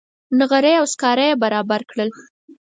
نغرۍ او سکاره یې برابر کړل.